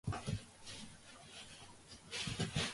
ინახება სანქტ-პეტერბურგში, ერმიტაჟის მუზეუმში.